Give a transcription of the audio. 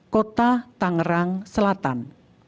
kota tangerang selatan